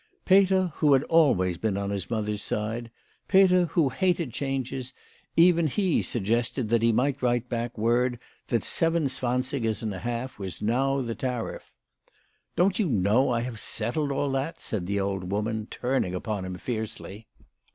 Peter who had always been on his mother's side, Peter who hated changes, even he suggested that he might write back word that seven zwansigers and a half was now the tariff. "Don't you know I have settled all that?" said the old woman, turning upon him fiercely.